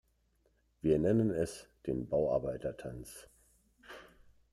Wir nennen es den Bauarbeitertanz.